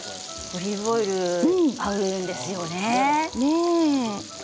オリーブオイルが合うんですよ。